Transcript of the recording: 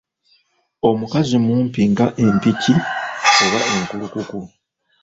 Omukazi mumpi nga Empiki oba enkulukuku.